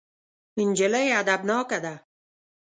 نجلۍ ادبناکه ده.